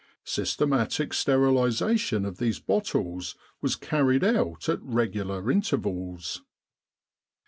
Systematic sterilisation of these bottles was carried out at regular intervals.